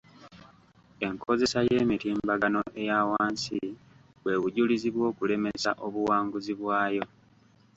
Enkozesa y'emitimbagano eyawansi bwe bujulizi bw'okulemesa obuwanguzi bwayo.